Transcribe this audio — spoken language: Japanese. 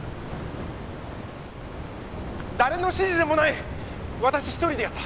誰の指示でもない私一人でやった